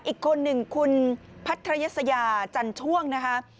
อีกคนหนึ่งคุณพัทรยศยาจันช่วงนะคะ